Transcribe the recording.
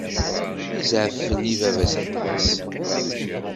Yezɛef fell-i baba aṭas.